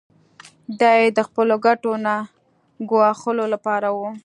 دا یې د خپلو ګټو نه ګواښلو لپاره و.